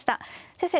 先生